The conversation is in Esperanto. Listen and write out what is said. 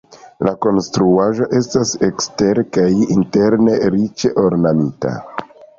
La konstruaĵo estas ekstere kaj interne riĉe ornamita.